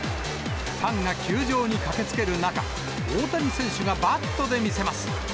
ファンが球場に駆けつける中、大谷選手がバットで見せます。